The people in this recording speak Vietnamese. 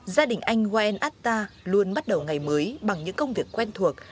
gia đình anh wael atta luôn bắt đầu ngày mới bằng những công việc quen thuộc